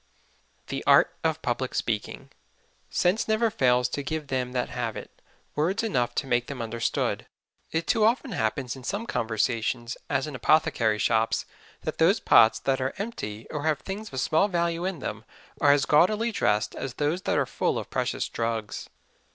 THE ART OF PUBLIC SPEAKING Sense never fails to give them that have it, Words enough to make them understood. It too often happens in some conversations, as in Apothecary Shops, that those Pots that are Empty, or have Things of small Value in them, are as gaudily Dress'd as those that are full of precious Drugs.